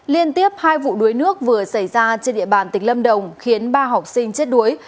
liên tiếp hai vụ đuối nước vừa xảy ra trên địa bàn tỉnh lâm đồng khiến ba học sinh chết đuối